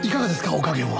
お加減は。